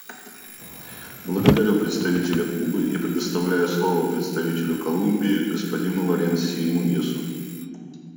Благодарю представителя Кубы и предоставляю слово представителю Колумбии господину Валенсии Муньосу.